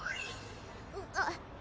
あっ。